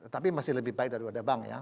tapi masih lebih baik dari wadah bank ya